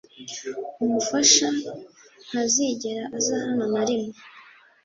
umufasha ntazigera aza hano narimwe